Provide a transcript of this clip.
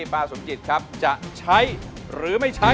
ป้าสมจิตจะใช่หรือไม่ใช่